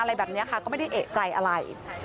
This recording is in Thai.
อะไรแบบนี้ค่ะก็ไม่ได้เอกใจอะไร